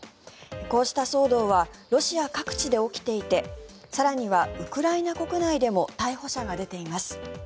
こうした騒動はロシア各地で起きていて更にはウクライナ国内でも逮捕者が出ています。